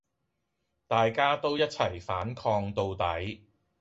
大家都一齊反抗到底